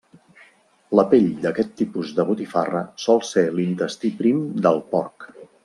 La pell d'aquest tipus de botifarra sol ser l'intestí prim del porc.